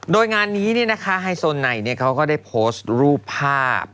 โดยงานนี้นะคะไฮโซไนเขาก็ได้โพสต์รูปภาพ